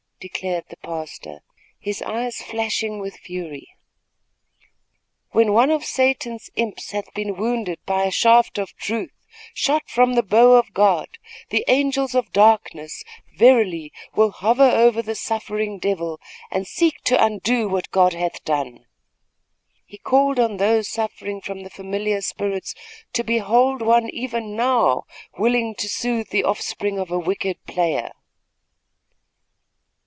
declared the pastor, his eyes flashing with fury. "When one of Satan's imps hath been wounded by a shaft of truth, shot from the bow of God, the angels of darkness, verily, will hover over the suffering devil, and seek to undo what God hath done." He called on those suffering from the familiar spirits to behold one even now willing to soothe the offspring of a wicked player.